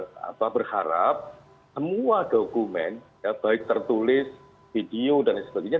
oleh karena memang kami berharap semua dokumen baik tertulis video dan sebagainya